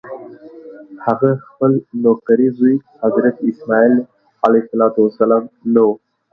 هغه خپل نوکرې زوی حضرت اسماعیل علیه السلام نه و.